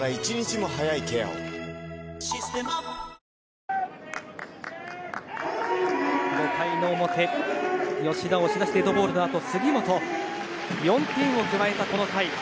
「システマ」５回の表吉田押し出しデッドボールのあと杉本、４点をとらえた、この回。